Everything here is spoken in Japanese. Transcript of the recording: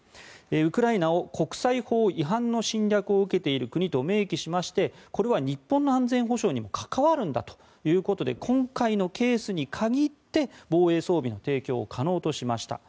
ウクライナを国際法違反の侵略を受けている国と明記しましてこれは日本の安全保障にも関わるんだということで今回のケースに限って防衛装備の提供を可能としました。